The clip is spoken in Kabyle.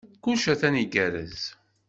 Kullec atan igerrez.